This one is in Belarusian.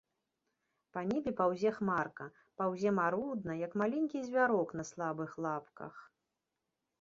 Па небе паўзе хмарка, паўзе марудна, як маленькі звярок на слабых лапках.